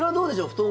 布団